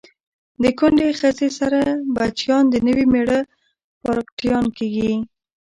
د کونډی خځی سره بچیان د نوي میړه پارکټیان کیږي